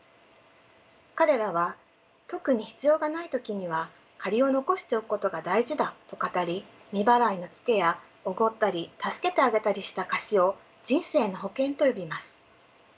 彼らは特に必要がない時には借りを残しておくことが大事だと語り未払いのツケやおごったり助けてあげたりした貸しを「人生の保険」と呼びます。